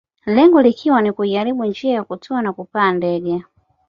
Lengo likiwa ni kuiharibu njia ya kutua na kupaa ndege